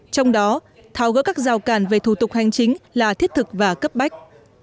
trong đó tháo gỡ các rào cản về thủ tục hành chính là thiết thực và cấp bách